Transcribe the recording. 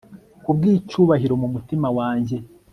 Kubwicyubahiro mumutima wanjye